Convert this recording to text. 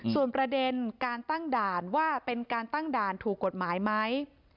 ส่วนประเด็นการตั้งด่านว่าเป็นการตั้งด่านถูกกฎหมายไหม